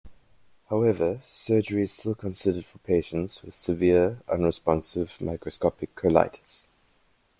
However, surgery is still considered for patients with severe, unresponsive microscopic colitis.